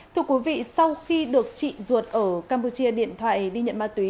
thưa quý vị sau khi được chị ruột ở campuchia điện thoại đi nhận ma túy